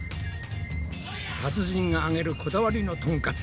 達人が揚げるこだわりのトンカツ！